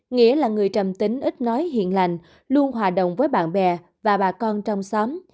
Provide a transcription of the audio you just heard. nghĩa là người trầm tính ít nói hiền lành luôn hòa đồng với bạn bè và bà con trong xóm